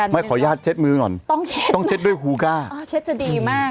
อืมขออนุญาตเซ็ตมือก่อนต้องเช็ดด้วยฮูกก้าลุยจะดีมาก